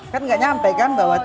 kan gak nyampe kan bahwa itu